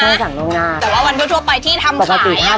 แต่ว่าวันทั่วไปที่ทำขายค่ะ